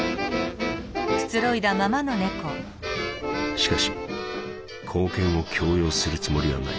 「しかし貢献を強要するつもりはない。